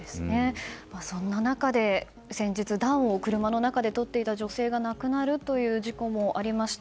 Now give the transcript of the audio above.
そんな中で先日車の中で暖をとっていた女性が亡くなるという事故もありました。